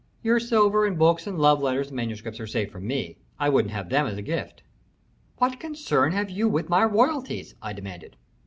Your silver and books and love letters and manuscripts are safe from me. I wouldn't have 'em as a gift." "What concern have you with my royalties?" I demanded.